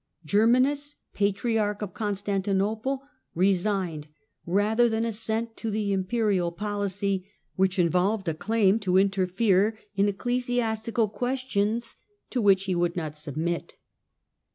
Germanus, Patriarch of Con stantinople, resigned rather than assent to the Imperial policy, which involved a claim to interfere in ecclesiast icaJ THE ICONOCLASTIC EMPERORS 139 [uestions to which he could not submit.